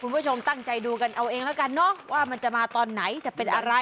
คุณผู้ชมตั้งใจดูกันเอาเองแล้วกันเนอะว่ามันจะมาตอนไหนจะเป็นอะไร